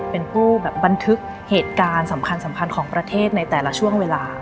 เป็นผู้แบบบันทึกเหตุการณ์สำคัญของประเทศในแต่ละช่วงเวลา